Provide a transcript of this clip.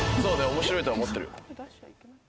面白いとは思ってる。